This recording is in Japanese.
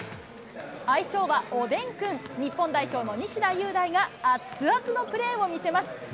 愛称はおでんくん、日本代表の西田優大が熱々のプレーを見せます。